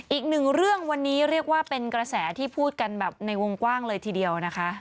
อีกหนึ่งเรื่องวันนี้เรียกว่าเป็นกระแสที่พูดกันแบบในวงกว้างเลยทีเดียวนะคะ